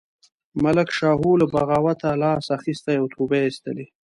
ملک شاهو له بغاوته لاس اخیستی او توبه یې ایستلې.